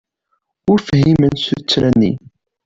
Ur fhiment tuttra-nni.